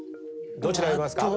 どちらを選びますか？